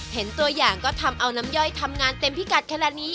เห็นตัวอย่างก็ทำเอาน้ำย่อยทำงานเต็มพิกัดขนาดนี้